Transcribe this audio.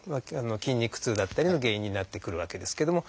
筋肉痛だったりの原因になってくるわけですけども。